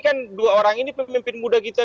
kan dua orang ini pemimpin muda kita